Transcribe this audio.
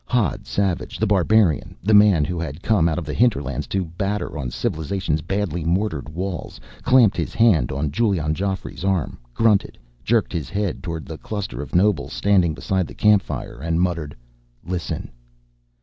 Hodd Savage The Barbarian, the man who had come out of the hinterlands to batter on civilization's badly mortared walls clamped his hand on Giulion Geoffrey's arm, grunted, jerked his head toward the cluster of nobles standing beside the campfire, and muttered: "Listen."